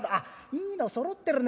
いいのそろってるね